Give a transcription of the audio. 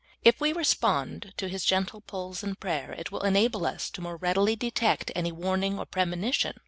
If we re spond to His gentle pulls in prayer, it will enable us to more readily detect any warning or premonition CI.